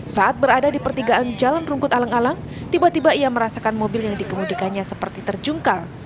saat berada di pertigaan jalan rungkut alang alang tiba tiba ia merasakan mobil yang dikemudikannya seperti terjungkal